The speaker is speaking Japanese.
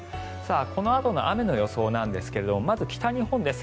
このあとの雨の予想なんですがまず北日本です。